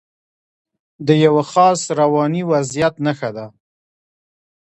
د یوه خاص رواني وضعیت نښه ده.